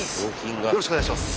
よろしくお願いします。